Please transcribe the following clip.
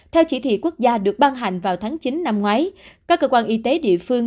theo chỉ thị quốc gia được ban hành vào tháng chín năm ngoái các cơ quan y tế địa phương